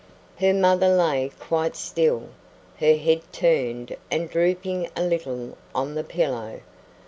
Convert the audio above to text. Her mother lay quite still, her head turned and drooping a little on the pillow.